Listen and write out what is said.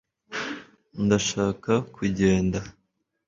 Ndashaka kugenda.